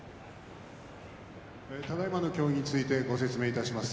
ただいまの協議について説明します。